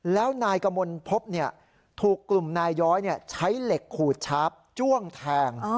แล้วนายกมลพบถูกกลุ่มนายย้อยใช้เหล็กขูดชาร์ฟจ้วงแทง